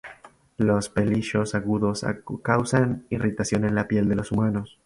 Los pelillos agudos causan irritación en la piel de los humanos.